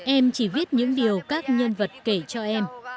em chỉ viết những điều các nhân vật kể cho em